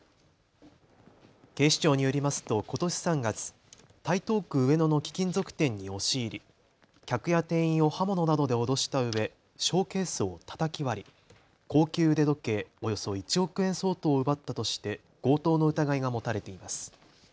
警視庁によりますとことし３月、台東区上野の貴金属店に押し入り客や店員を刃物などで脅したうえショーケースをたたき割り高級腕時計およそ１億円相当を奪ったとして強盗の疑いが持たれています。